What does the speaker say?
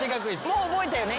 もう覚えたよね？